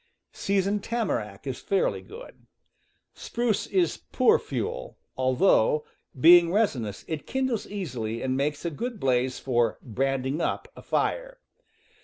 Seasoned tamarack is fairly good. Spruce is poor fuel, although, being resinous, it kindles easily and makes a good blaze for "branding up" a fire.